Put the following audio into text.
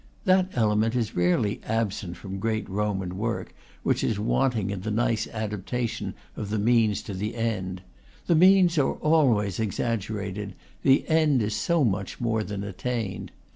That element is rarely absent from great Roman work, which is wanting in the nice adaptation of the means to the end. The means are always exaggerated; the end is so much more than attained.